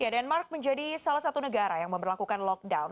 denmark menjadi salah satu negara yang memperlakukan lockdown